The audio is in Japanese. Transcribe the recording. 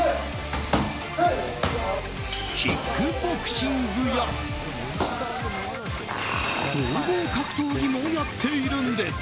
キックボクシングや総合格闘技もやっているんです。